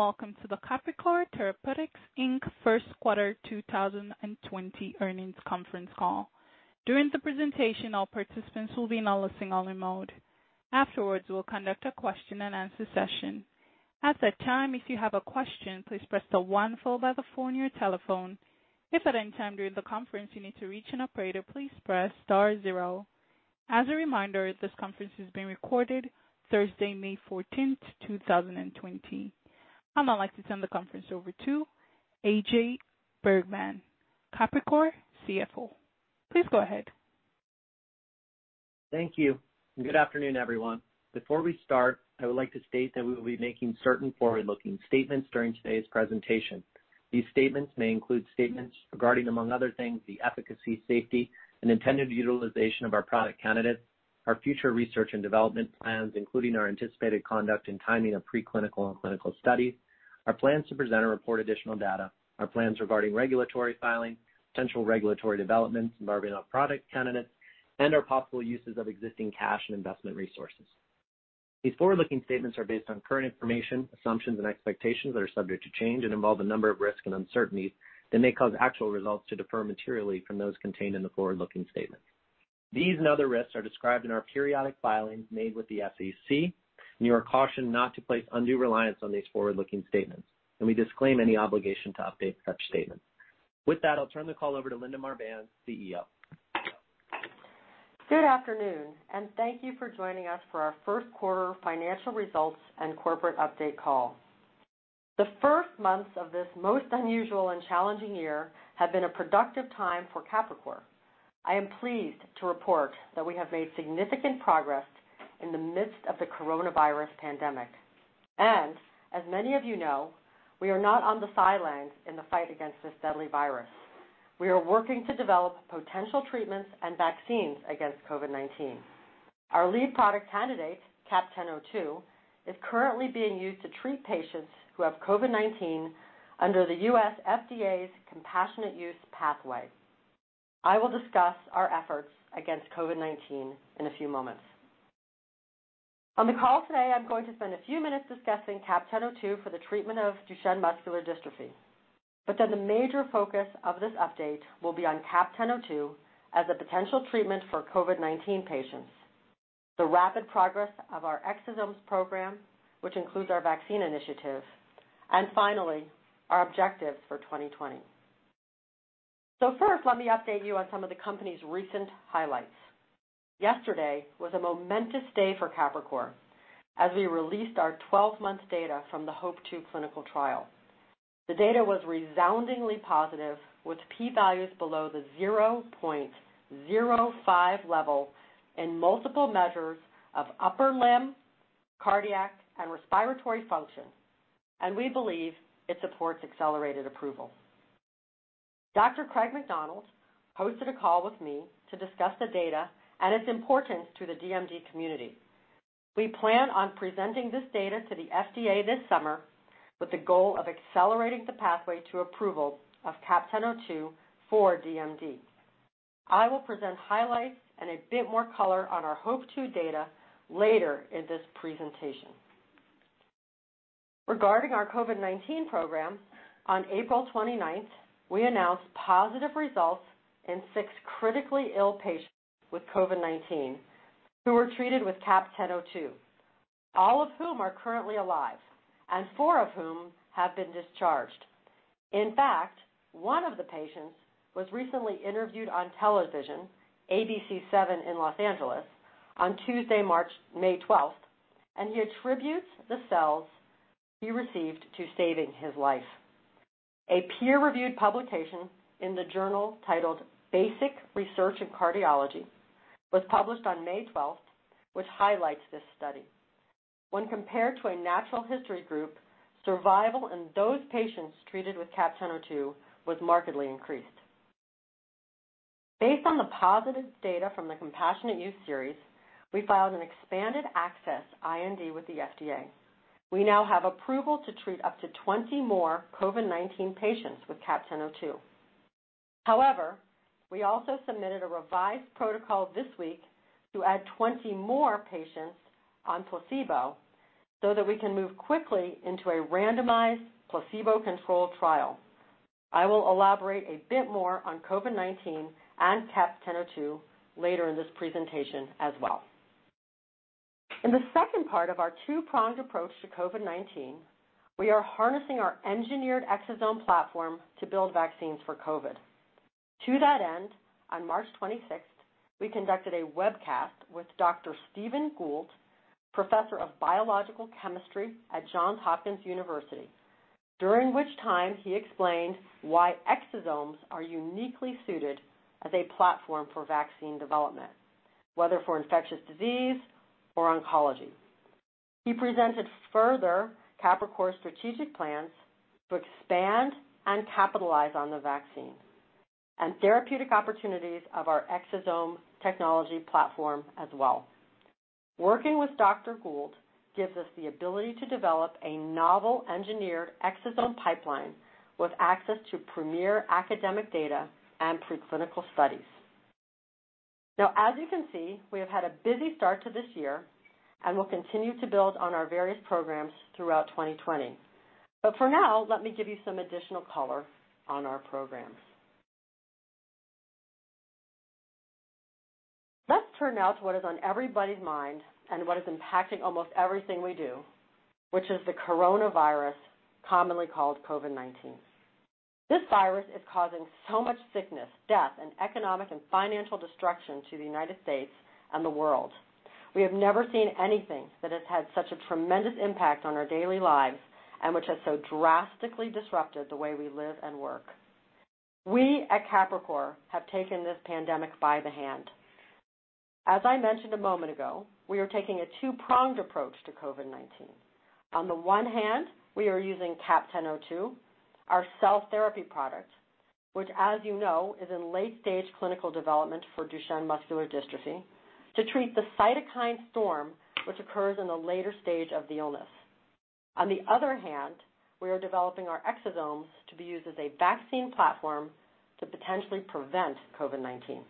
Greetings, welcome to the Capricor Therapeutics, Inc. First Quarter 2020 Earnings Conference Call. During the presentation, all participants will be in a listen-only mode. Afterwards, we'll conduct a question-and-answer session. At that time, if you have a question, please press the one followed by the phone on your telephone. If at any time during the conference you need to reach an operator, please press star zero. As a reminder, this conference is being recorded Thursday, May 14th, 2020. I'd now like to turn the conference over to AJ Bergmann, Capricor CFO. Please go ahead. Thank you, good afternoon, everyone. Before we start, I would like to state that we will be making certain forward-looking statements during today's presentation. These statements may include statements regarding, among other things, the efficacy, safety, and intended utilization of our product candidates, our future research and development plans, including our anticipated conduct and timing of preclinical and clinical studies, our plans to present or report additional data, our plans regarding regulatory filings, potential regulatory developments involving our product candidates, and our possible uses of existing cash and investment resources. These forward-looking statements are based on current information, assumptions, and expectations that are subject to change and involve a number of risks and uncertainties that may cause actual results to differ materially from those contained in the forward-looking statements. These other risks are described in our periodic filings made with the SEC. You are cautioned not to place undue reliance on these forward-looking statements. We disclaim any obligation to update such statements. With that, I'll turn the call over to Linda Marbán, CEO. Good afternoon, thank you for joining us for our first quarter financial results and corporate update call. The first months of this most unusual and challenging year have been a productive time for Capricor. I am pleased to report that we have made significant progress in the midst of the coronavirus pandemic. As many of you know, we are not on the sidelines in the fight against this deadly virus. We are working to develop potential treatments and vaccines against COVID-19. Our lead product candidate, CAP-1002, is currently being used to treat patients who have COVID-19 under the U.S. FDA's Compassionate Use pathway. I will discuss our efforts against COVID-19 in a few moments. On the call today, I'm going to spend a few minutes discussing CAP-1002 for the treatment of Duchenne muscular dystrophy. The major focus of this update will be on CAP-1002 as a potential treatment for COVID-19 patients, the rapid progress of our exosomes program, which includes our vaccine initiative, and finally, our objectives for 2020. First, let me update you on some of the company's recent highlights. Yesterday was a momentous day for Capricor as we released our 12-month data from the HOPE-2 clinical trial. The data was resoundingly positive with P values below the 0.05 level in multiple measures of upper limb, cardiac, and respiratory function, and we believe it supports accelerated approval. Dr. Craig McDonald hosted a call with me to discuss the data and its importance to the DMD community. We plan on presenting this data to the FDA this summer with the goal of accelerating the pathway to approval of CAP-1002 for DMD. I will present highlights and a bit more color on our HOPE-2 data later in this presentation. Regarding our COVID-19 program, on April 29th, we announced positive results in six critically ill patients with COVID-19 who were treated with CAP-1002, all of whom are currently alive, and four of whom have been discharged. In fact, one of the patients was recently interviewed on television, ABC7 in Los Angeles, on Tuesday, May 12th, and he attributes the cells he received to saving his life. A peer-reviewed publication in the journal titled Basic Research in Cardiology was published on May 12th, which highlights this study. When compared to a natural history group, survival in those patients treated with CAP-1002 was markedly increased. Based on the positive data from the Compassionate Use series, we filed an expanded access IND with the FDA. We now have approval to treat up to 20 more COVID-19 patients with CAP-1002. We also submitted a revised protocol this week to add 20 more patients on placebo so that we can move quickly into a randomized placebo-controlled trial. I will elaborate a bit more on COVID-19 and CAP-1002 later in this presentation as well. In the second part of our two-pronged approach to COVID-19, we are harnessing our engineered exosome platform to build vaccines for COVID. On March 26th, we conducted a webcast with Dr. Stephen Gould, professor of biological chemistry at Johns Hopkins University, during which time he explained why exosomes are uniquely suited as a platform for vaccine development, whether for infectious disease or oncology. He presented further Capricor strategic plans to expand and capitalize on the vaccine and therapeutic opportunities of our exosome technology platform as well. Working with Dr. Gould gives us the ability to develop a novel engineered exosome pipeline with access to premier academic data and preclinical studies. Now, as you can see, we have had a busy start to this year and will continue to build on our various programs throughout 2020. For now, let me give you some additional color on our programs. Let's turn now to what is on everybody's mind and what is impacting almost everything we do, which is the coronavirus, commonly called COVID-19. This virus is causing so much sickness, death, and economic and financial destruction to the United States and the world. We have never seen anything that has had such a tremendous impact on our daily lives and which has so drastically disrupted the way we live and work. We at Capricor have taken this pandemic by the hand. As I mentioned a moment ago, we are taking a two-pronged approach to COVID-19. On the one hand, we are using CAP-1002, our cell therapy product, which, as you know, is in late-stage clinical development for Duchenne muscular dystrophy to treat the cytokine storm which occurs in the later stage of the illness. On the other hand, we are developing our exosomes to be used as a vaccine platform to potentially prevent COVID-19.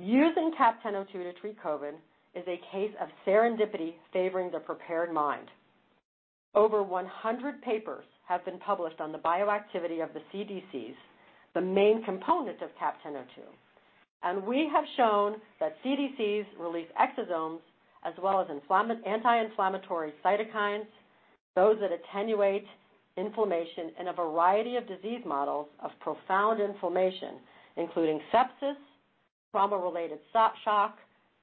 Using CAP-1002 to treat COVID is a case of serendipity favoring the prepared mind. Over 100 papers have been published on the bioactivity of the CDCs, the main component of CAP-1002. We have shown that CDCs release exosomes as well as anti-inflammatory cytokines, those that attenuate inflammation in a variety of disease models of profound inflammation, including sepsis, trauma-related shock,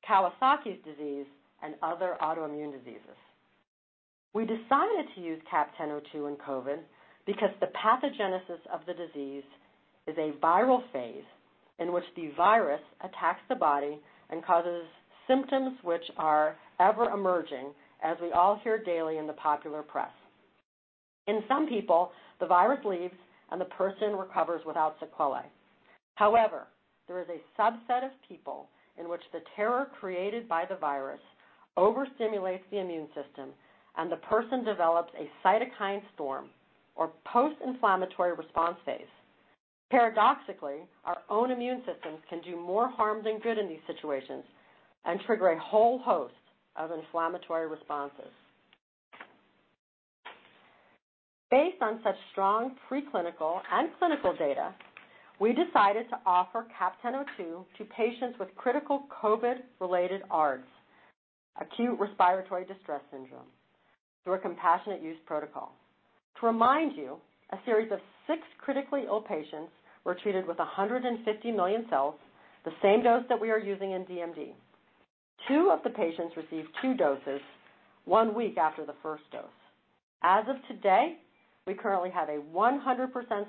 Kawasaki disease, and other autoimmune diseases. We decided to use CAP-1002 in COVID because the pathogenesis of the disease is a viral phase in which the virus attacks the body and causes symptoms which are ever emerging, as we all hear daily in the popular press. In some people, the virus leaves, and the person recovers without sequelae. However, there is a subset of people in which the terror created by the virus overstimulates the immune system, and the person develops a cytokine storm or post-inflammatory response phase. Paradoxically, our own immune systems can do more harm than good in these situations and trigger a whole host of inflammatory responses. Based on such strong preclinical and clinical data, we decided to offer CAP-1002 to patients with critical COVID-related ARDS, acute respiratory distress syndrome, through a compassionate use protocol. To remind you, a series of six critically ill patients were treated with 150 million cells, the same dose that we are using in DMD. Two of the patients received two doses, one week after the first dose. As of today, we currently have a 100%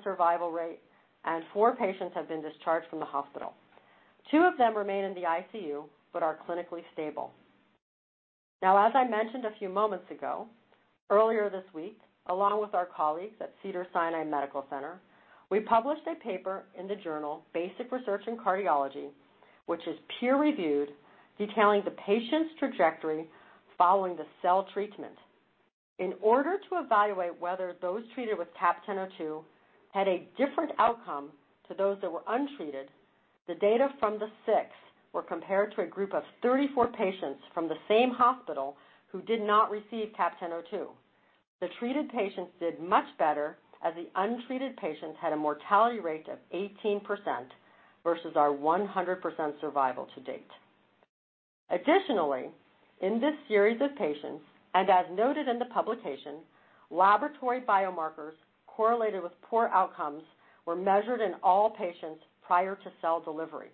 survival rate, and four patients have been discharged from the hospital. Two of them remain in the ICU but are clinically stable. As I mentioned a few moments ago, earlier this week, along with our colleagues at Cedars-Sinai Medical Center, we published a paper in the journal Basic Research in Cardiology, which is peer-reviewed, detailing the patient's trajectory following the cell treatment. In order to evaluate whether those treated with CAP-1002 had a different outcome to those that were untreated, the data from the six were compared to a group of 34 patients from the same hospital who did not receive CAP-1002. The treated patients did much better, as the untreated patients had a mortality rate of 18% versus our 100% survival to date. In this series of patients, as noted in the publication, laboratory biomarkers correlated with poor outcomes were measured in all patients prior to cell delivery.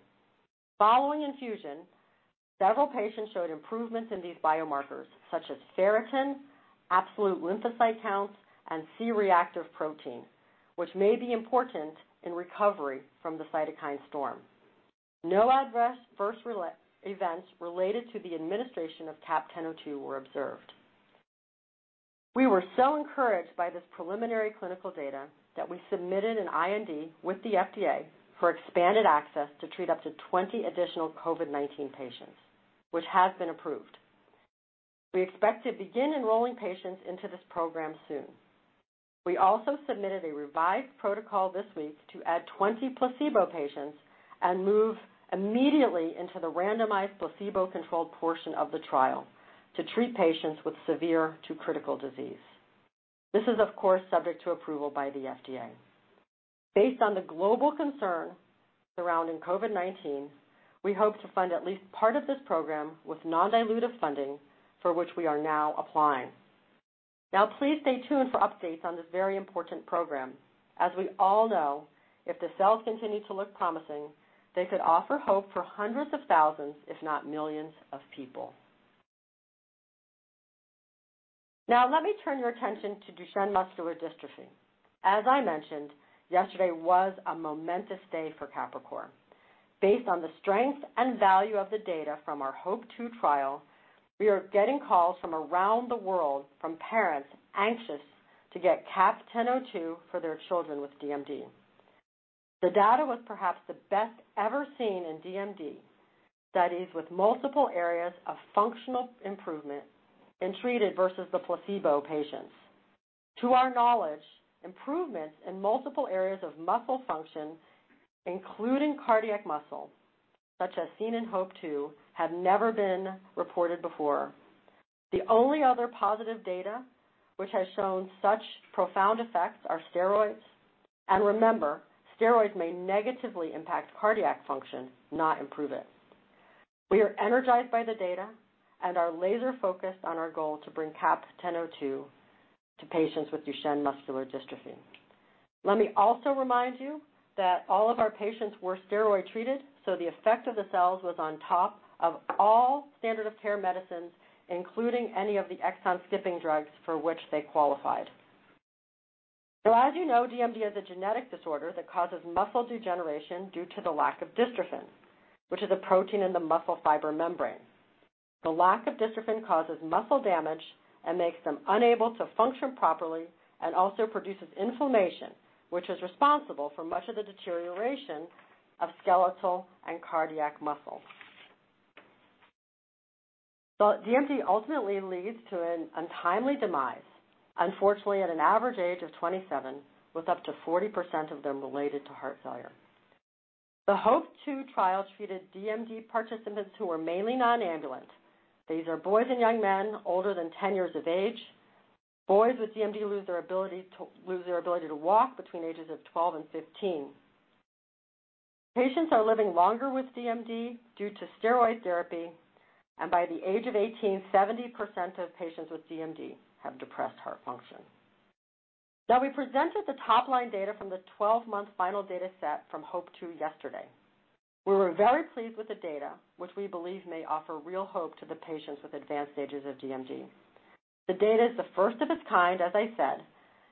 Following infusion, several patients showed improvements in these biomarkers, such as ferritin, absolute lymphocyte counts, and C-reactive protein, which may be important in recovery from the cytokine storm. No adverse events related to the administration of CAP-1002 were observed. We were so encouraged by this preliminary clinical data that we submitted an IND with the FDA for expanded access to treat up to 20 additional COVID-19 patients, which has been approved. We expect to begin enrolling patients into this program soon. We also submitted a revised protocol this week to add 20 placebo patients and move immediately into the randomized placebo-controlled portion of the trial to treat patients with severe to critical disease. This is, of course, subject to approval by the FDA. Based on the global concern surrounding COVID-19, we hope to fund at least part of this program with non-dilutive funding for which we are now applying. Please stay tuned for updates on this very important program. As we all know, if the cells continue to look promising, they could offer hope for hundreds of thousands, if not millions, of people. Let me turn your attention to Duchenne muscular dystrophy. As I mentioned, yesterday was a momentous day for Capricor. Based on the strength and value of the data from our HOPE-2 trial, we are getting calls from around the world from parents anxious to get CAP-1002 for their children with DMD. The data was perhaps the best ever seen in DMD studies with multiple areas of functional improvement in treated versus the placebo patients. To our knowledge, improvements in multiple areas of muscle function, including cardiac muscle, such as seen in HOPE-2, have never been reported before. The only other positive data which has shown such profound effects are steroids. Remember, steroids may negatively impact cardiac function, not improve it. We are energized by the data and are laser-focused on our goal to bring CAP-1002 to patients with Duchenne muscular dystrophy. Let me also remind you that all of our patients were steroid treated, the effect of the cells was on top of all standard of care medicines, including any of the exon-skipping drugs for which they qualified. As you know, DMD is a genetic disorder that causes muscle degeneration due to the lack of dystrophin, which is a protein in the muscle fiber membrane. The lack of dystrophin causes muscle damage and makes them unable to function properly, and also produces inflammation, which is responsible for much of the deterioration of skeletal and cardiac muscle. DMD ultimately leads to an untimely demise, unfortunately, at an average age of 27, with up to 40% of them related to heart failure. The HOPE-2 trial treated DMD participants who were mainly non-ambulant. These are boys and young men older than 10 years of age. Boys with DMD lose their ability to walk between ages of 12 and 15. Patients are living longer with DMD due to steroid therapy, and by the age of 18, 70% of patients with DMD have depressed heart function. We presented the top-line data from the 12-month final data set from HOPE-2 yesterday. We were very pleased with the data, which we believe may offer real hope to the patients with advanced stages of DMD. The data is the first of its kind, as I said,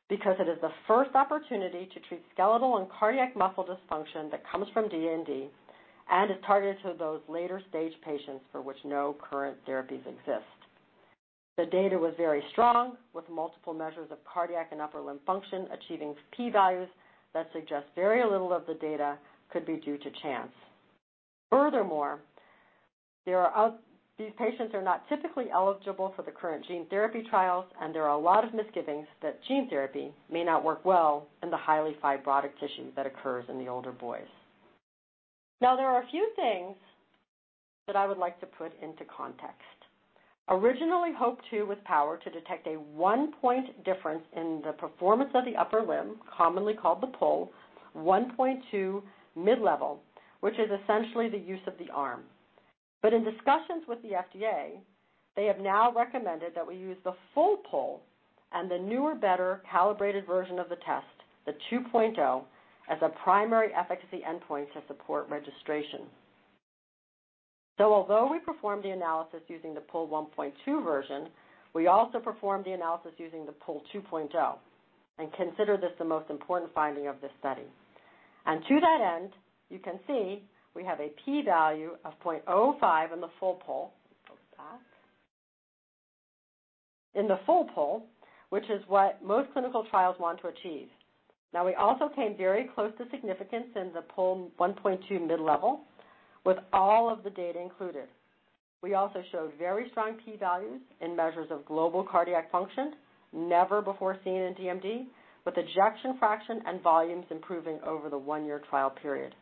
because it is the first opportunity to treat skeletal and cardiac muscle dysfunction that comes from DMD and is targeted to those later-stage patients for which no current therapies exist. The data was very strong, with multiple measures of cardiac and upper limb function achieving P values that suggest very little of the data could be due to chance. Furthermore, these patients are not typically eligible for the current gene therapy trials, and there are a lot of misgivings that gene therapy may not work well in the highly fibrotic tissue that occurs in the older boys. There are a few things that I would like to put into context. Originally, HOPE-2 was powered to detect a one-point difference in the Performance of the Upper Limb, commonly called the PUL 1.2 mid-level, which is essentially the use of the arm. In discussions with the FDA, they have now recommended that we use the full PUL and the newer, better calibrated version of the test, the PUL 2.0, as a primary efficacy endpoint to support registration. Although we performed the analysis using the PUL 1.2 version, we also performed the analysis using the PUL 2.0 and consider this the most important finding of this study. To that end, you can see we have a P value of 0.05 in the full PUL. Go back. In the full PUL, which is what most clinical trials want to achieve. We also came very close to significance in the PUL 1.2 mid-level with all of the data included. We also showed very strong P values in measures of global cardiac function never before seen in DMD, with ejection fraction and volumes improving over the one-year trial period.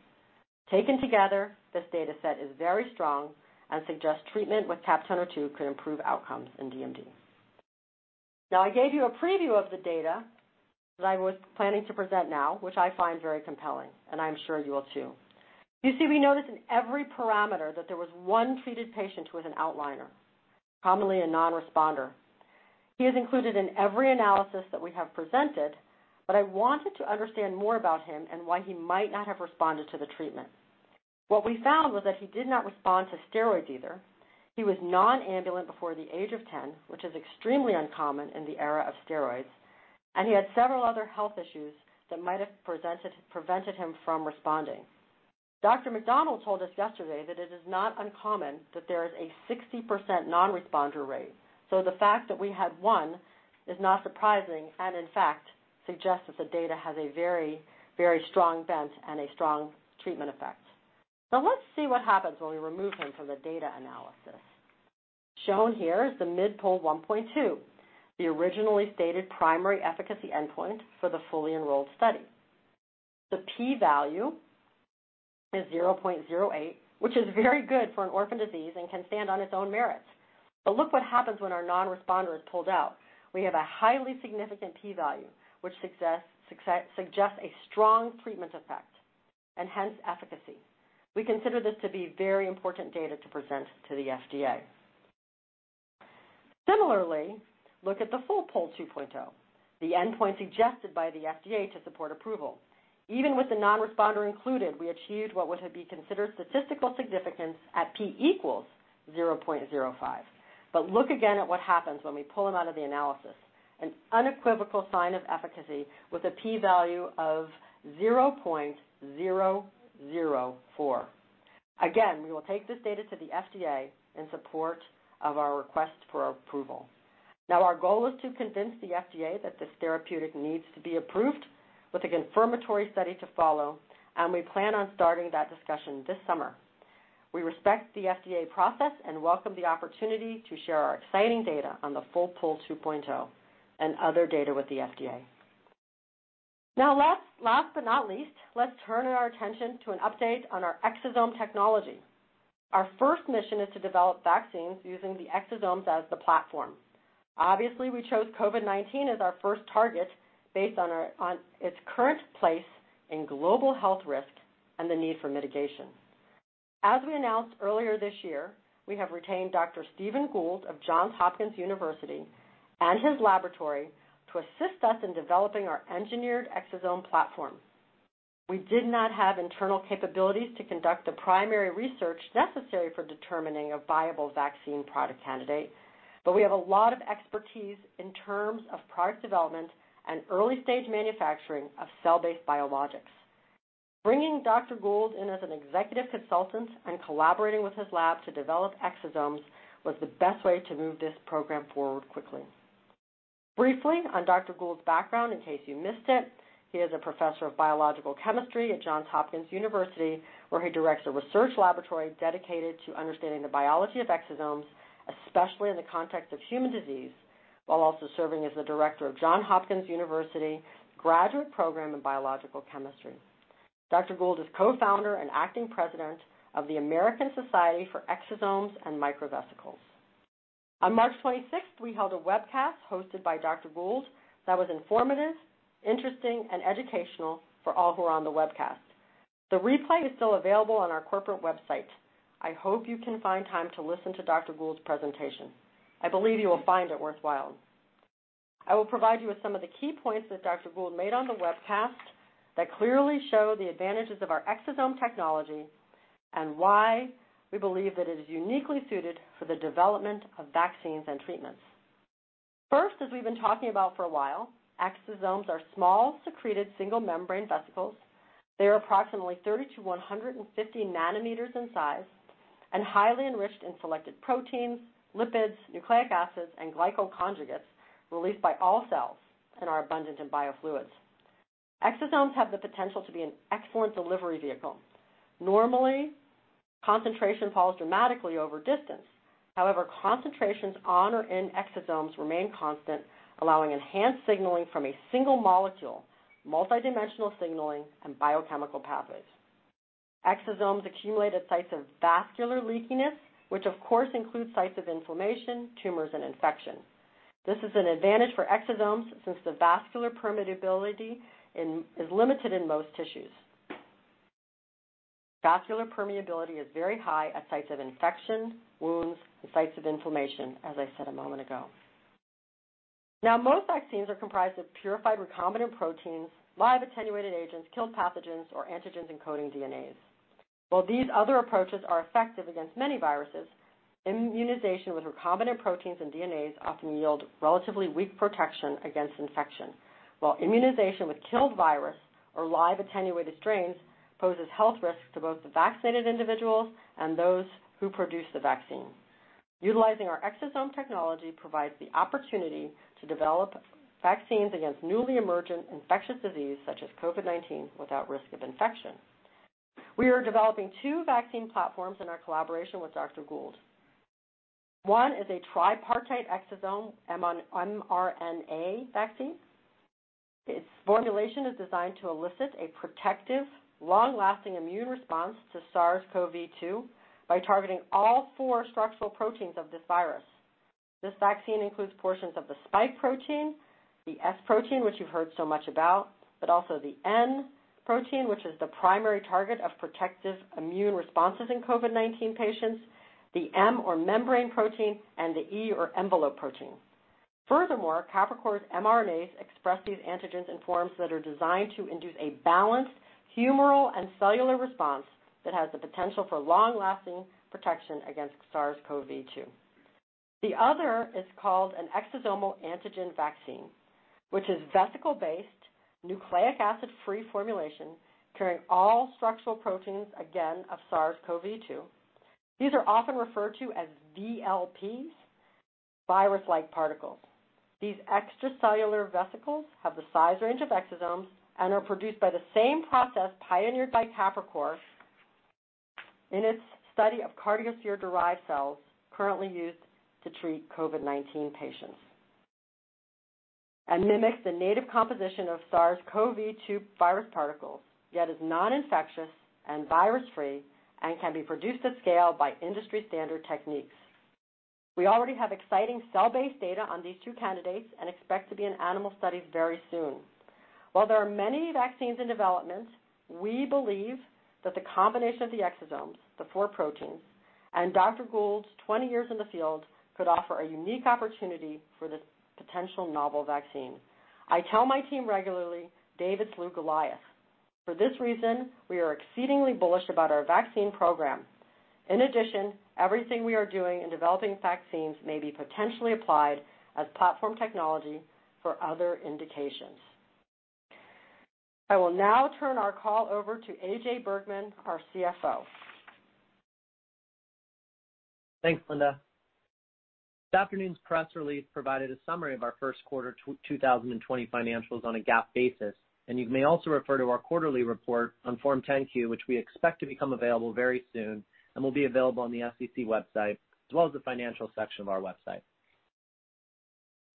Taken together, this data set is very strong and suggests treatment with CAP-1002 could improve outcomes in DMD. I gave you a preview of the data that I was planning to present now, which I find very compelling, and I am sure you will too. You see, we noticed in every parameter that there was one treated patient who was an outlier, commonly a non-responder. He is included in every analysis that we have presented, I wanted to understand more about him and why he might not have responded to the treatment. What we found was that he did not respond to steroids either. He was non-ambulant before the age of 10, which is extremely uncommon in the era of steroids, and he had several other health issues that might have prevented him from responding. Dr. McDonald told us yesterday that it is not uncommon that there is a 60% non-responder rate. The fact that we had one is not surprising and, in fact, suggests that the data has a very, very strong bent and a strong treatment effect. Let's see what happens when we remove him from the data analysis. Shown here is the mid-PUL 1.2, the originally stated primary efficacy endpoint for the fully enrolled study. The P value is 0.08, which is very good for an orphan disease and can stand on its own merits. Look what happens when our non-responder is pulled out. We have a highly significant P value, which suggests a strong treatment effect and hence efficacy. We consider this to be very important data to present to the FDA. Similarly, look at the full PUL 2.0, the endpoint suggested by the FDA to support approval. Even with the non-responder included, we achieved what would be considered statistical significance at P equals 0.05. Look again at what happens when we pull him out of the analysis. An unequivocal sign of efficacy with a P value of 0.004. We will take this data to the FDA in support of our request for approval. Our goal is to convince the FDA that this therapeutic needs to be approved with a confirmatory study to follow, and we plan on starting that discussion this summer. We respect the FDA process and welcome the opportunity to share our exciting data on the full PUL 2.0 and other data with the FDA. Last but not least, let's turn our attention to an update on our exosome technology. Our first mission is to develop vaccines using the exosomes as the platform. Obviously, we chose COVID-19 as our first target based on its current place in global health risk and the need for mitigation. As we announced earlier this year, we have retained Dr. Stephen Gould of Johns Hopkins University and his laboratory to assist us in developing our engineered exosome platform. We did not have internal capabilities to conduct the primary research necessary for determining a viable vaccine product candidate. We have a lot of expertise in terms of product development and early-stage manufacturing of cell-based biologics. Bringing Dr. Gould in as an executive consultant and collaborating with his lab to develop exosomes was the best way to move this program forward quickly. Briefly, on Dr. Gould's background, in case you missed it, he is a professor of biological chemistry at Johns Hopkins University, where he directs a research laboratory dedicated to understanding the biology of exosomes, especially in the context of human disease, while also serving as the director of Johns Hopkins University Graduate Program in Biological Chemistry. Dr. Gould is co-founder and acting President of the American Society for Exosomes and Microvesicles. On March 26th, we held a webcast hosted by Dr. Gould that was informative, interesting, and educational for all who were on the webcast. The replay is still available on our corporate website. I hope you can find time to listen to Dr. Gould's presentation. I believe you will find it worthwhile. I will provide you with some of the key points that Dr. Gould made on the webcast that clearly show the advantages of our exosome technology and why we believe that it is uniquely suited for the development of vaccines and treatments. First, as we've been talking about for a while, exosomes are small, secreted single-membrane vesicles. They are approximately 30-150 nanometers in size and highly enriched in selected proteins, lipids, nucleic acids, and glycoconjugates released by all cells, and are abundant in biofluids. Exosomes have the potential to be an excellent delivery vehicle. Normally, concentration falls dramatically over distance. However, concentrations on or in exosomes remain constant, allowing enhanced signaling from a single molecule, multidimensional signaling, and biochemical pathways. Exosomes accumulate at sites of vascular leakiness, which of course includes sites of inflammation, tumors, and infection. This is an advantage for exosomes since the vascular permeability is limited in most tissues. Vascular permeability is very high at sites of infection, wounds, and sites of inflammation, as I said a moment ago. Most vaccines are comprised of purified recombinant proteins, live attenuated agents, killed pathogens, or antigens encoding DNAs. While these other approaches are effective against many viruses, immunization with recombinant proteins and DNAs often yield relatively weak protection against infection. Immunization with killed virus or live attenuated strains poses health risks to both the vaccinated individuals and those who produce the vaccine. Utilizing our exosome technology provides the opportunity to develop vaccines against newly emergent infectious disease such as COVID-19 without risk of infection. We are developing two vaccine platforms in our collaboration with Dr. Gould. One is a tripartite exosome mRNA vaccine. Its formulation is designed to elicit a protective, long-lasting immune response to SARS-CoV-2 by targeting all four structural proteins of this virus. This vaccine includes portions of the spike protein, the S protein, which you've heard so much about, but also the N protein, which is the primary target of protective immune responses in COVID-19 patients, the M or membrane protein, and the E or envelope protein. Capricor's mRNAs express these antigens in forms that are designed to induce a balanced humoral and cellular response that has the potential for long-lasting protection against SARS-CoV-2. The other is called an exosomal antigen vaccine, which is vesicle-based, nucleic acid-free formulation carrying all structural proteins, again, of SARS-CoV-2. These are often referred to as VLPs, virus-like particles. These extracellular vesicles have the size range of exosomes and are produced by the same process pioneered by Capricor in its study of Cardiosphere-derived cells currently used to treat COVID-19 patients, and mimics the native composition of SARS-CoV-2 virus particles, yet is non-infectious and virus-free, and can be produced at scale by industry-standard techniques. We already have exciting cell-based data on these two candidates and expect to be in animal studies very soon. There are many vaccines in development, we believe that the combination of the exosomes, the four proteins, and Dr. Gould's 20 years in the field could offer a unique opportunity for this potential novel vaccine. I tell my team regularly, "David slew Goliath." For this reason, we are exceedingly bullish about our vaccine program. In addition, everything we are doing in developing vaccines may be potentially applied as platform technology for other indications. I will now turn our call over to AJ Bergmann, our CFO. Thanks, Linda Marbán. This afternoon's press release provided a summary of our first quarter 2020 financials on a GAAP basis. You may also refer to our quarterly report on Form 10-Q, which we expect to become available very soon and will be available on the SEC website as well as the financial section of our website.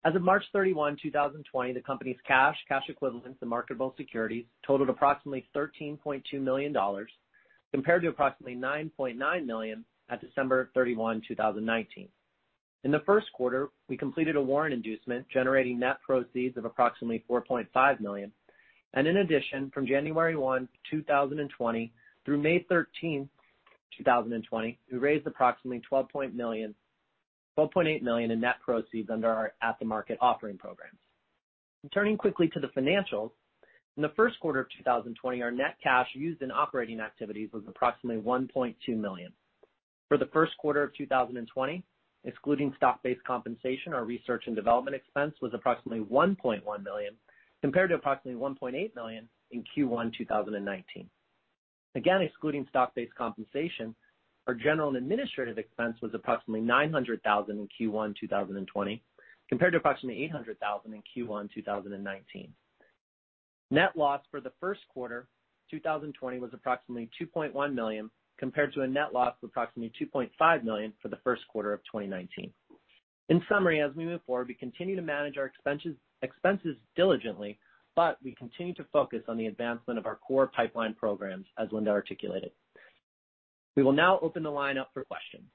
As of March 31, 2020, the company's cash equivalents, and marketable securities totaled approximately $13.2 million, compared to approximately $9.9 million on December 31, 2019. In the first quarter, we completed a warrant inducement generating net proceeds of approximately $4.5 million. In addition, from January 1, 2020, through May 13, 2020, we raised approximately $12.8 million in net proceeds under our at-the-market offering programs. Turning quickly to the financials, in the first quarter of 2020, our net cash used in operating activities was approximately $1.2 million. For the first quarter of 2020, excluding stock-based compensation, our research and development expense was approximately $1.1 million, compared to approximately $1.8 million in Q1 2019. Excluding stock-based compensation, our general and administrative expense was approximately $900,000 in Q1 2020, compared to approximately $800,000 in Q1 2019. Net loss for the first quarter 2020 was approximately $2.1 million, compared to a net loss of approximately $2.5 million for the first quarter of 2019. As we move forward, we continue to manage our expenses diligently. We continue to focus on the advancement of our core pipeline programs, as Linda articulated. We will now open the line up for questions.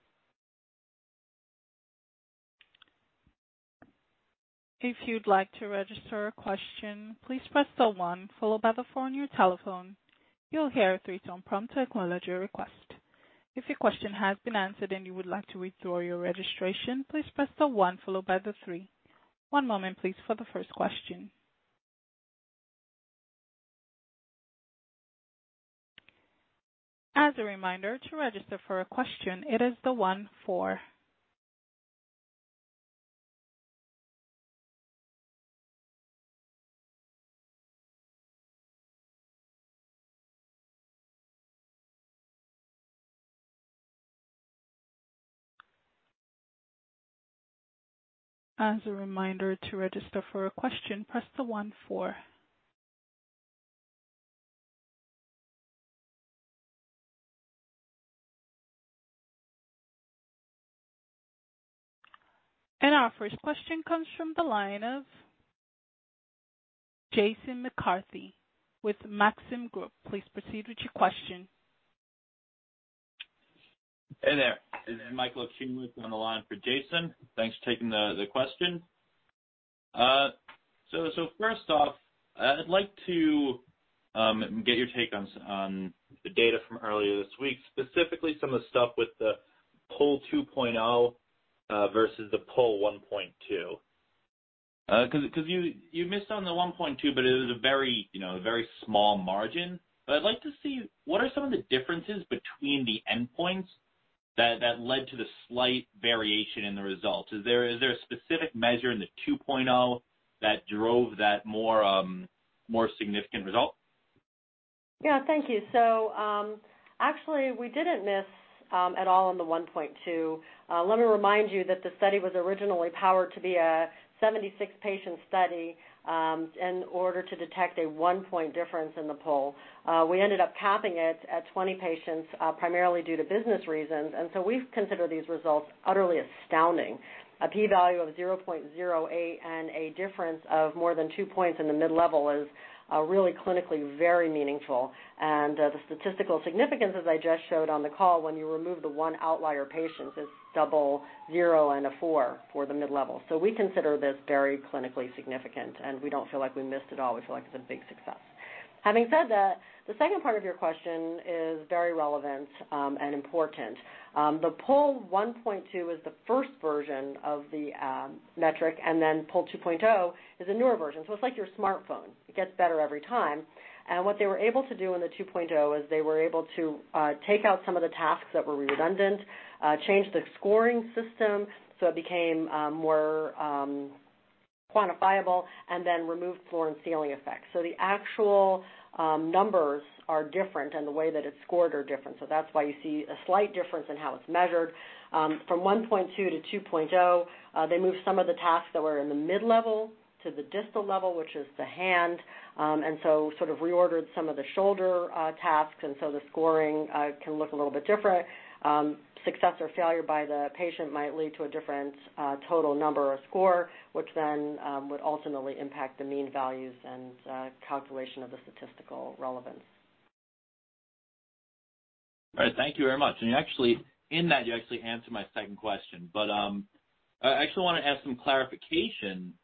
If you'd like to register a question, please press the one followed by the four on your telephone. You'll hear a three-tone prompt to acknowledge your request. If your question has been answered and you would like to withdraw your registration, please press the one followed by the three. One moment, please for the first question. As a reminder, to register for a question, it is the one, four. As a reminder, to register for a question, press the one, four. Our first question comes from the line of Jason McCarthy with Maxim Group. Please proceed with your question. Hey there. This is Michael Okunewitch on the line for Jason. Thanks for taking the question. First off, I'd like to get your take on the data from earlier this week. Specifically, some of the staff from the PUL 2.0 verses the PUL 1.2, coz you missed on the 1.2, but it is a very small margin. I'd like to see what is some of the differences between the end points that led to the slight variation in the result. Is there a specific measure in the 2.0 that drove that more significant result? Thank you. Actually, we didn't miss at all on the 1.2. Let me remind you that the study was originally powered to be a 76-patient study in order to detect a one-point difference in the PUL. We ended up capping it at 20 patients, primarily due to business reasons. We consider these results utterly astounding. A P value of 0.08 and a difference of more than two points in the mid-level is really clinically very meaningful. The statistical significance, as I just showed on the call, when you remove the one outlier patient, is double zero and a four for the mid-level. We consider this very clinically significant, and we don't feel like we missed at all. We feel like it's a big success. Having said that, the second part of your question is very relevant and important. The PUL 1.2 is the first version of the metric. PUL 2.0 is a newer version. It's like your smartphone. It gets better every time. What they were able to do in the 2.0 is they were able to take out some of the tasks that were redundant, change the scoring system so it became more quantifiable, and then remove floor and ceiling effects. The actual numbers are different, and the way that it's scored are different. That's why you see a slight difference in how it's measured. From 1.2 to 2.0, they moved some of the tasks that were in the mid-level to the distal level, which is the hand. Sort of reordered some of the shoulder tasks. The scoring can look a little bit different. Success or failure by the patient might lead to a different total number or score, which then would ultimately impact the mean values and calculation of the statistical relevance. All right. Thank you very much. Actually, in that, you actually answered my second question. I actually want to ask some clarification.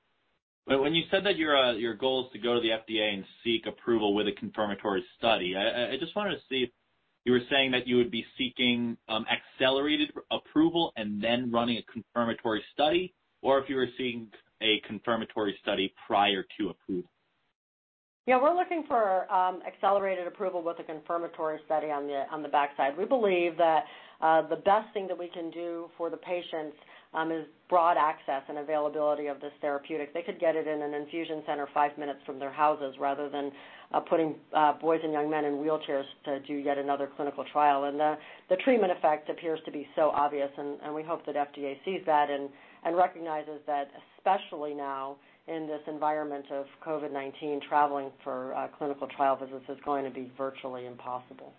When you said that your goal is to go to the FDA and seek approval with a confirmatory study, I just wanted to see if you were saying that you would be seeking accelerated approval and then running a confirmatory study, or if you were seeking a confirmatory study prior to approval. Yeah, we're looking for accelerated approval with a confirmatory study on the backside. We believe that the best thing that we can do for the patients is broad access and availability of this therapeutic. They could get it in an infusion center five minutes from their houses, rather than putting boys and young men in wheelchairs to do yet another clinical trial. The treatment effect appears to be so obvious, and we hope that FDA sees that and recognizes that, especially now in this environment of COVID-19, traveling for clinical trial visits is going to be virtually impossible.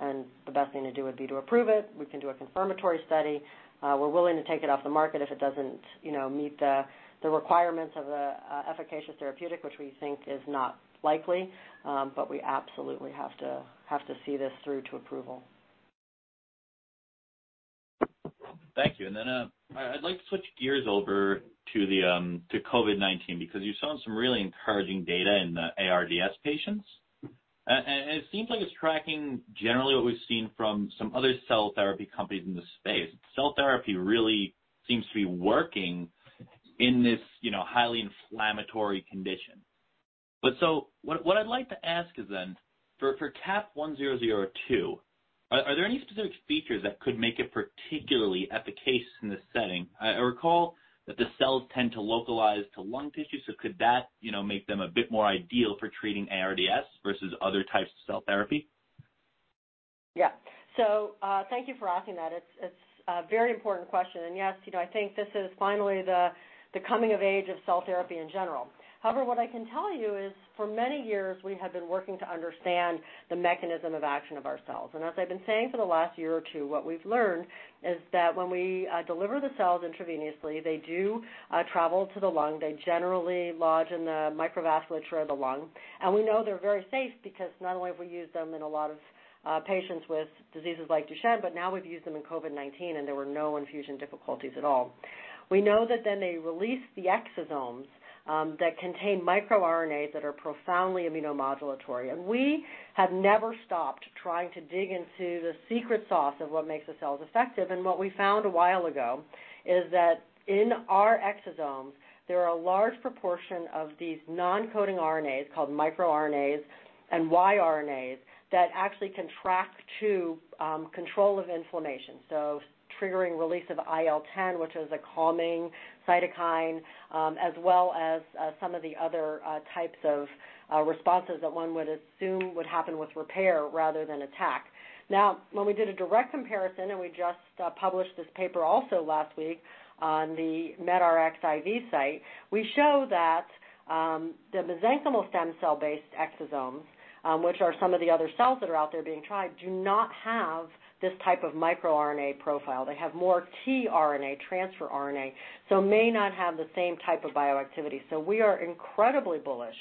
The best thing to do would be to approve it. We can do a confirmatory study. We're willing to take it off the market if it doesn't meet the requirements of an efficacious therapeutic, which we think is not likely. We absolutely have to see this through to approval. Thank you. I'd like to switch gears over to COVID-19, because you've shown some really encouraging data in the ARDS patients. It seems like it's tracking generally what we've seen from some other cell therapy companies in the space. Cell therapy really seems to be working in this highly inflammatory condition. What I'd like to ask is then, for CAP-1002, are there any specific features that could make it particularly efficacious in this setting? I recall that the cells tend to localize to lung tissue, so could that make them a bit more ideal for treating ARDS versus other types of cell therapy? Yeah. Thank you for asking that. It's a very important question. Yes, I think this is finally the coming of age of cell therapy in general. However, what I can tell you is, for many years, we have been working to understand the mechanism of action of our cells. As I've been saying for the last year or two, what we've learned is that when we deliver the cells intravenously, they do travel to the lung. They generally lodge in the microvasculature of the lung. We know they're very safe because not only have we used them in a lot of patients with diseases like Duchenne, but now we've used them in COVID-19, and there were no infusion difficulties at all. We know that then they release the exosomes that contain microRNAs that are profoundly immunomodulatory. We have never stopped trying to dig into the secret sauce of what makes the cells effective. What we found a while ago is that in our exosomes, there are a large proportion of these non-coding RNAs called microRNAs and Y-RNAs that actually contract to control of inflammation. Triggering release of IL-10, which is a calming cytokine, as well as some of the other types of responses that one would assume would happen with repair rather than attack. When we did a direct comparison, and we just published this paper also last week on the medRxiv site, we show that the mesenchymal stem cell-based exosomes, which are some of the other cells that are out there being tried, do not have this type of microRNA profile. They have more tRNA, transfer RNA, so may not have the same type of bioactivity. We are incredibly bullish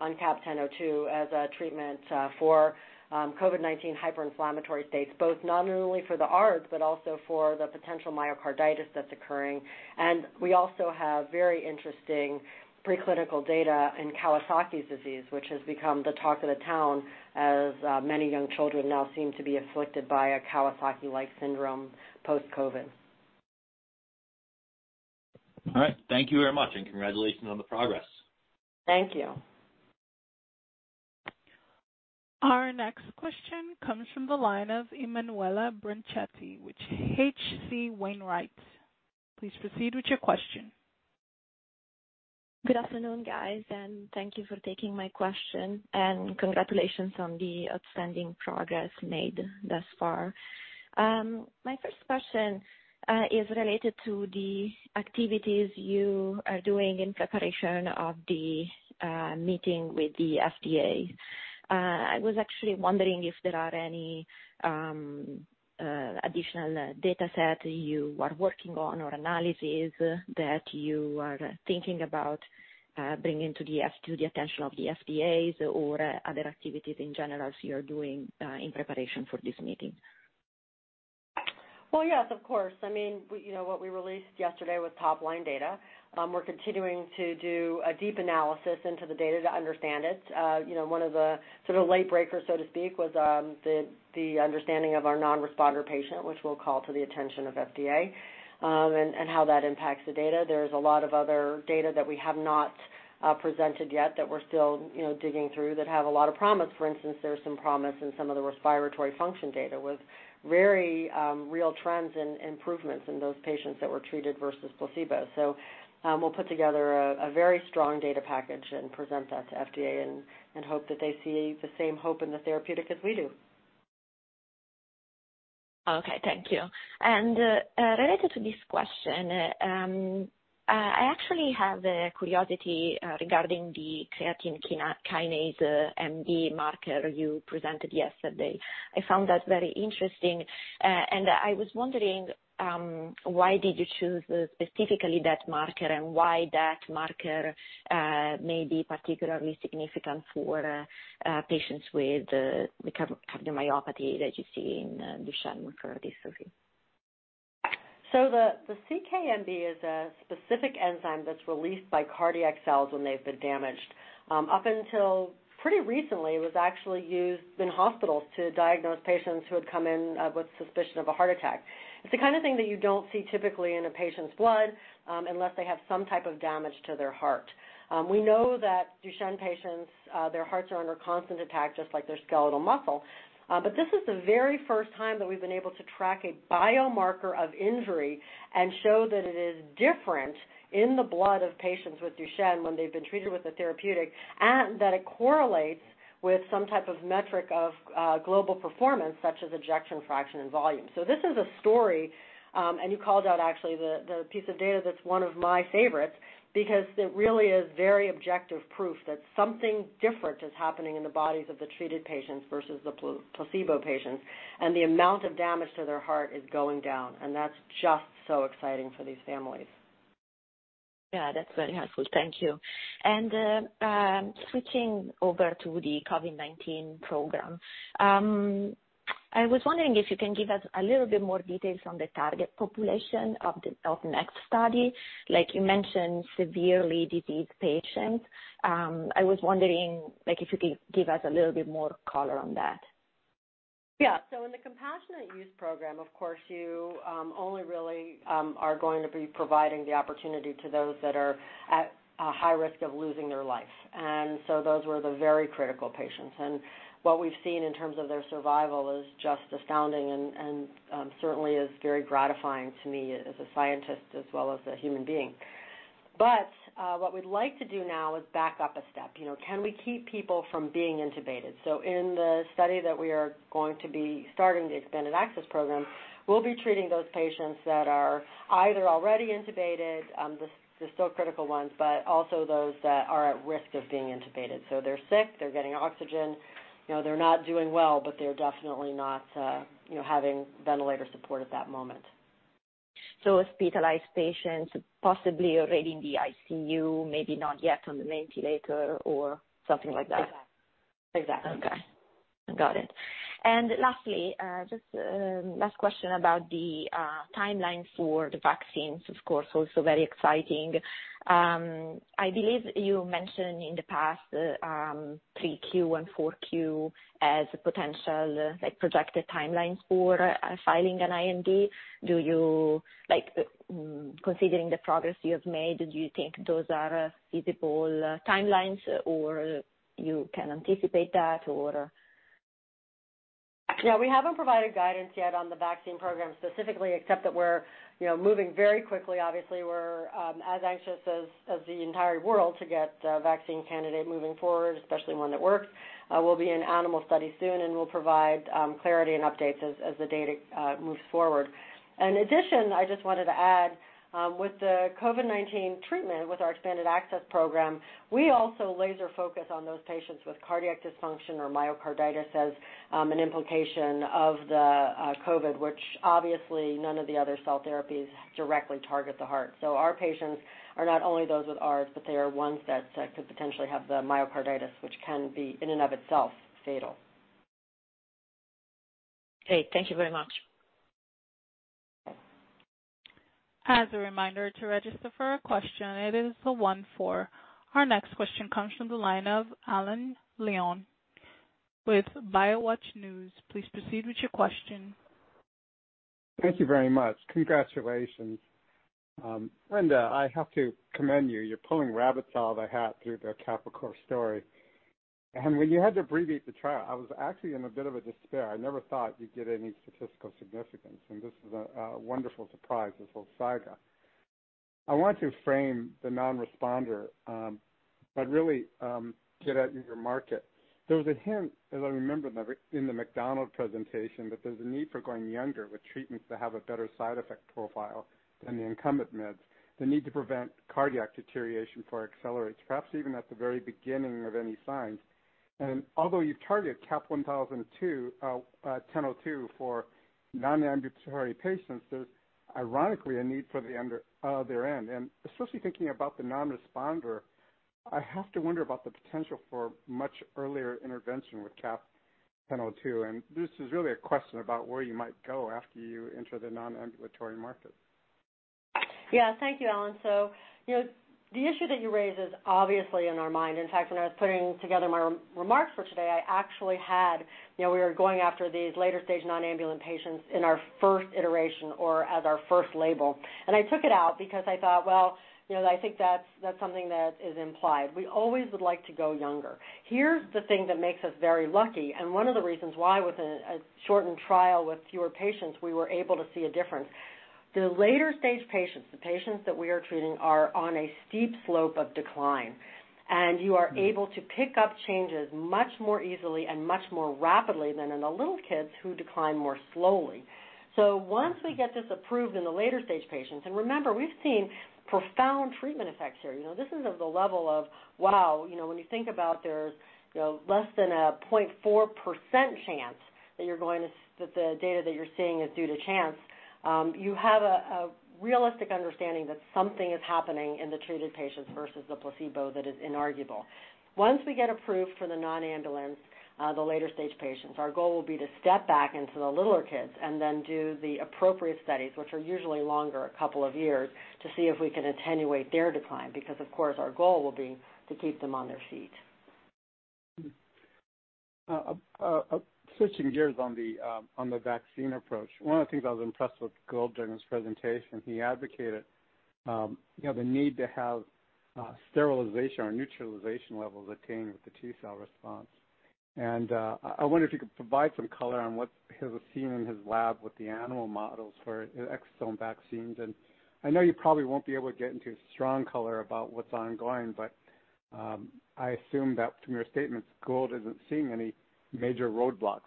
on CAP-1002 as a treatment for COVID-19 hyperinflammatory states, both not only for the ARDS but also for the potential myocarditis that's occurring. We also have very interesting pre-clinical data in Kawasaki disease, which has become the talk of the town as many young children now seem to be afflicted by a Kawasaki-like syndrome post-COVID. All right. Thank you very much, and congratulations on the progress. Thank you. Our next question comes from the line of Emanuela Branchetti with H.C. Wainwright. Please proceed with your question. Good afternoon, guys, thank you for taking my question. Congratulations on the outstanding progress made thus far. My first question is related to the activities you are doing in preparation of the meeting with the FDA. I was actually wondering if there are any additional data set you are working on or analysis that you are thinking about bringing to the attention of the FDA or other activities in general you are doing in preparation for this meeting? Well, yes, of course. What we released yesterday was top-line data. We're continuing to do a deep analysis into the data to understand it. One of the late breakers, so to speak, was the understanding of our non-responder patient, which we'll call to the attention of FDA, and how that impacts the data. There's a lot of other data that we have not presented yet that we're still digging through that have a lot of promise. For instance, there's some promise in some of the respiratory function data, with very real trends in improvements in those patients that were treated versus placebo. We'll put together a very strong data package and present that to FDA and hope that they see the same hope in the therapeutic as we do. Okay. Thank you. Related to this question, I actually have a curiosity regarding the creatine kinase-MB marker you presented yesterday. I found that very interesting. I was wondering why did you choose specifically that marker and why that marker may be particularly significant for patients with cardiomyopathy that you see in Duchenne muscular dystrophy? The CK-MB is a specific enzyme that's released by cardiac cells when they've been damaged. Up until pretty recently, it was actually used in hospitals to diagnose patients who had come in with suspicion of a heart attack. It's the kind of thing that you don't see typically in a patient's blood, unless they have some type of damage to their heart. We know that Duchenne patients, their hearts are under constant attack, just like their skeletal muscle. This is the very first time that we've been able to track a biomarker of injury and show that it is different in the blood of patients with Duchenne when they've been treated with a therapeutic, and that it correlates with some type of metric of global performance, such as ejection fraction and volume. This is a story, and you called out actually the piece of data that's one of my favorites, because it really is very objective proof that something different is happening in the bodies of the treated patients versus the placebo patients. The amount of damage to their heart is going down, and that's just so exciting for these families. Yeah, that's very helpful. Thank you. Switching over to the COVID-19 program. I was wondering if you can give us a little bit more details on the target population of the next study. You mentioned severely diseased patients. I was wondering if you could give us a little bit more color on that. Yeah. In the compassionate use program, of course, you only really are going to be providing the opportunity to those that are at a high risk of losing their life. Those were the very critical patients. What we've seen in terms of their survival is just astounding and certainly is very gratifying to me as a scientist as well as a human being. What we'd like to do now is back up a step. Can we keep people from being intubated? In the study that we are going to be starting, the expanded access program, we'll be treating those patients that are either already intubated, the still critical ones, but also those that are at risk of being intubated. They're sick, they're getting oxygen, they're not doing well, but they're definitely not having ventilator support at that moment. Hospitalized patients, possibly already in the ICU, maybe not yet on the ventilator or something like that? Exactly. Okay. Got it. Lastly, just last question about the timeline for the vaccines. Of course, also very exciting. I believe you mentioned in the past, 3Q and 4Q as potential projected timelines for filing an IND. Considering the progress you have made, do you think those are feasible timelines, or you can anticipate that or? Yeah. We haven't provided guidance yet on the vaccine program specifically, except that we're moving very quickly. Obviously, we're as anxious as the entire world to get a vaccine candidate moving forward, especially one that works. We'll be in animal studies soon, and we'll provide clarity and updates as the data moves forward. In addition, I just wanted to add, with the COVID-19 treatment, with our expanded access program, we also laser focus on those patients with cardiac dysfunction or myocarditis as an implication of the COVID, which obviously none of the other cell therapies directly target the heart. Our patients are not only those with ARDS, but they are ones that could potentially have the myocarditis, which can be in and of itself fatal. Great. Thank you very much. As a reminder, to register for a question, it is the 1 4. Our next question comes from the line of Alan Leong with BioWatch News. Please proceed with your question. Thank you very much. Congratulations. Linda, I have to commend you. You're pulling rabbits out of a hat through the Capricor story. When you had to abbreviate the trial, I was actually in a bit of a despair. I never thought you'd get any statistical significance, this is a wonderful surprise, this whole saga. I want to frame the non-responder, but really get at your market. There was a hint, as I remember, in the McDonald presentation, that there's a need for going younger with treatments that have a better side effect profile than the incumbent meds, the need to prevent cardiac deterioration before it accelerates, perhaps even at the very beginning of any signs. Although you target CAP-1002 for non-ambulatory patients, there's ironically a need for the other end. Especially thinking about the non-responder, I have to wonder about the potential for much earlier intervention with CAP-1002, this is really a question about where you might go after you enter the non-ambulatory market. Yeah. Thank you, Alan. The issue that you raise is obviously in our mind. In fact, when I was putting together my remarks for today, we were going after these later-stage non-ambulant patients in our first iteration or as our first label. I took it out because I thought, "Well, I think that's something that is implied." We always would like to go younger. Here's the thing that makes us very lucky, one of the reasons why with a shortened trial with fewer patients, we were able to see a difference. The later-stage patients, the patients that we are treating, are on a steep slope of decline, you are able to pick up changes much more easily and much more rapidly than in the little kids who decline more slowly. Once we get this approved in the later stage patients, and remember, we've seen profound treatment effects here. This is of the level of, wow, when you think about there's less than a 0.4% chance that the data that you're seeing is due to chance. You have a realistic understanding that something is happening in the treated patients versus the placebo that is inarguable. Once we get approved for the non-ambulant, the later stage patients, our goal will be to step back into the littler kids then do the appropriate studies, which are usually longer, a couple of years, to see if we can attenuate their decline, because of course, our goal will be to keep them on their feet. Switching gears on the vaccine approach. One of the things I was impressed with Gould during his presentation, he advocated the need to have sterilization or neutralization levels attained with the T cell response. I wonder if you could provide some color on what he was seeing in his lab with the animal models for exosome vaccines. I know you probably won't be able to get into strong color about what's ongoing, but I assume that from your statements, Gould isn't seeing any major roadblocks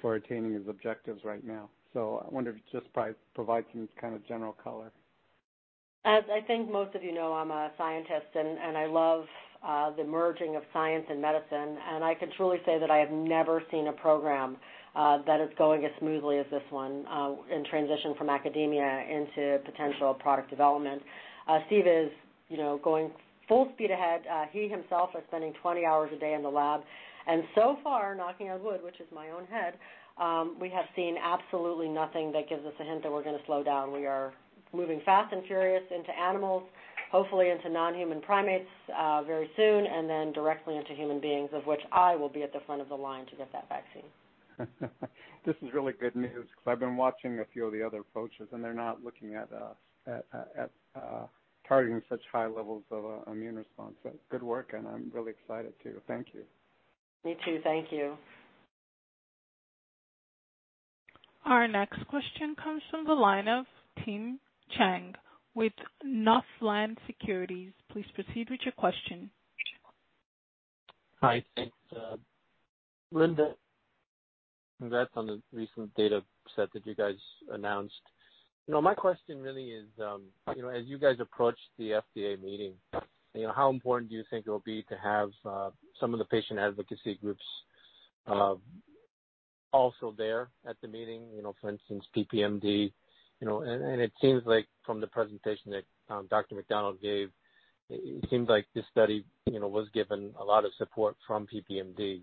for attaining his objectives right now. I wonder if you could just provide some kind of general color. As I think most of you know, I'm a scientist, I love the merging of science and medicine, I can truly say that I have never seen a program that is going as smoothly as this one in transition from academia into potential product development. Steve is going full speed ahead. He himself is spending 20 hours a day in the lab, so far, knocking on wood, which is my own head, we have seen absolutely nothing that gives us a hint that we're going to slow down. We are moving fast and furious into animals, hopefully into non-human primates very soon, then directly into human beings, of which I will be at the front of the line to get that vaccine. This is really good news because I've been watching a few of the other approaches, they're not looking at targeting such high levels of immune response. Good work, I'm really excited, too. Thank you. Me too. Thank you. Our next question comes from the line of Tim Chiang with Northland Securities. Please proceed with your question. Hi. Thanks. Linda, congrats on the recent data set that you guys announced. My question really is as you guys approach the FDA meeting, how important do you think it will be to have some of the patient advocacy groups also there at the meeting? For instance, PPMD. It seems like from the presentation that Dr. McDonald gave, it seems like this study was given a lot of support from PPMD.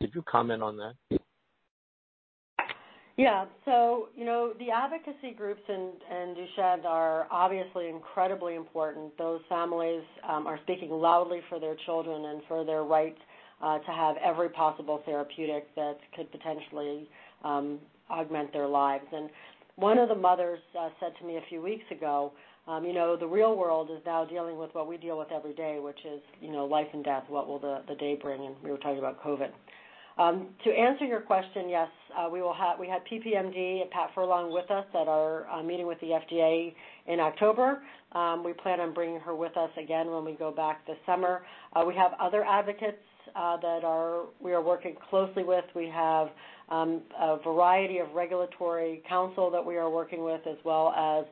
Could you comment on that? Yeah. The advocacy groups in Duchenne are obviously incredibly important. Those families are speaking loudly for their children and for their right to have every possible therapeutic that could potentially augment their lives. One of the mothers said to me a few weeks ago, "The real world is now dealing with what we deal with every day, which is life and death. What will the day bring?" We were talking about COVID. To answer your question, yes. We had PPMD and Pat Furlong with us at our meeting with the FDA in October. We plan on bringing her with us again when we go back this summer. We have other advocates that we are working closely with. We have a variety of regulatory council that we are working with, as well as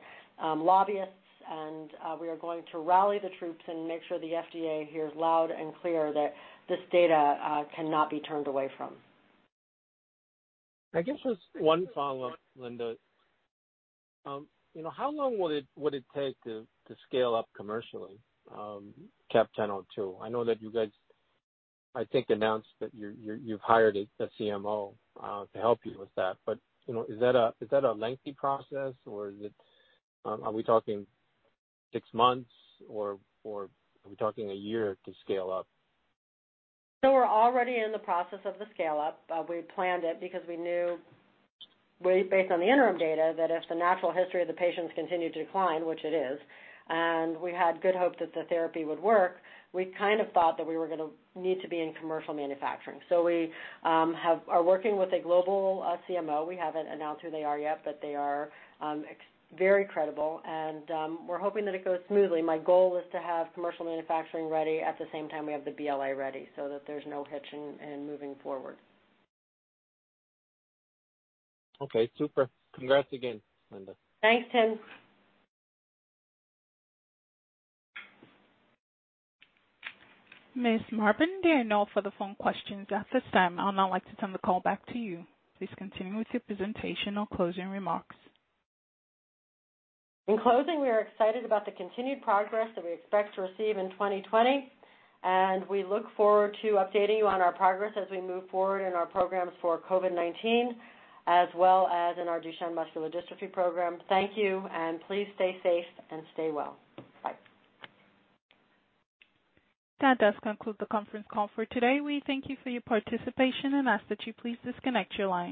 lobbyists, and we are going to rally the troops and make sure the FDA hears loud and clear that this data cannot be turned away from. I guess just one follow-up, Linda. How long would it take to scale up commercially CAP-1002? I know that you guys, I think, announced that you've hired a CMO to help you with that. Is that a lengthy process, or are we talking six months, or are we talking a year to scale up? We're already in the process of the scale-up. We planned it because we knew, based on the interim data, that if the natural history of the patients continued to decline, which it is, and we had good hope that the therapy would work, we kind of thought that we were going to need to be in commercial manufacturing. We are working with a global CMO. We haven't announced who they are yet, but they are very credible, and we're hoping that it goes smoothly. My goal is to have commercial manufacturing ready at the same time we have the BLA ready so that there's no hitch in moving forward. Okay. Super. Congrats again, Linda. Thanks, Tim. Ms. Marbán, there are no further phone questions at this time. I would now like to turn the call back to you. Please continue with your presentation or closing remarks. In closing, we are excited about the continued progress that we expect to receive in 2020. We look forward to updating you on our progress as we move forward in our programs for COVID-19 as well as in our Duchenne Muscular Dystrophy program. Thank you. Please stay safe and stay well. Bye. That does conclude the conference call for today. We thank you for your participation and ask that you please disconnect your line.